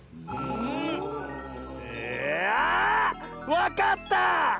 わかった！